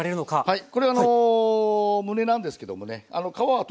はい。